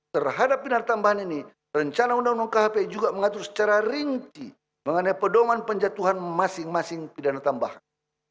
terhadap pidana tambahan ini rencana undang undang khp juga mengatur secara rinci mengenai pedoman penjatuhan masing masing pidana tambahan